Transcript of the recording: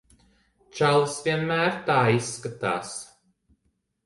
Čalis vienmēr tā izskatās.